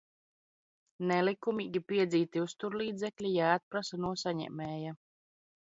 Nelikumīgi piedzīti uzturlīdzekļi jāatprasa no saņēmēja.